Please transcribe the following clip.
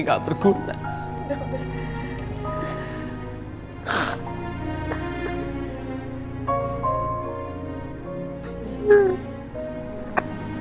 kamu juga harus sayap